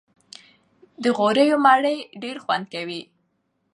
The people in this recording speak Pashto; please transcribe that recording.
د غوړيو مړۍ ډېره خوند کوي